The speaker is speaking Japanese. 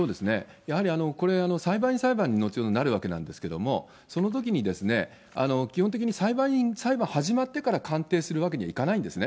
やはりこれ、裁判員裁判に後になるわけなんですけども、そのときに、基本的に裁判員裁判始まってから鑑定するわけにはいかないんですね。